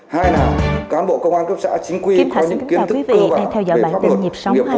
hai nà cán bộ công an cấp xã chính quy có những kiến thức cơ bản về pháp luật